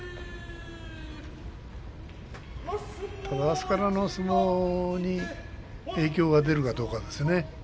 ただ、あすからの相撲に影響が出るかどうかですね。